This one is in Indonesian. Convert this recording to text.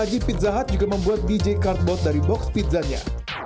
bagi pizza hut juga membuat dj cardboat dari box pizzanya